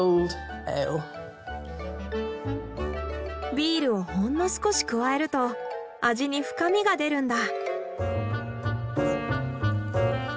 ビールをほんの少し加えると味に深みが出るんだ。